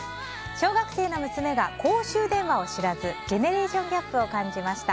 小学生の娘が公衆電話を知らずジェネレーションギャップを感じました。